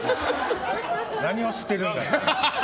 何を知ってるんだ。